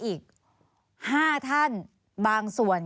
มีความรู้สึกว่ามีความรู้สึกว่า